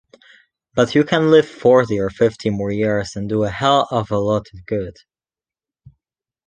But you can live forty or fifty more years and do a hell of a lot of good.